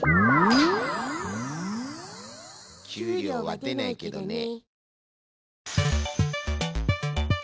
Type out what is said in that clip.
給料は出ないけどね。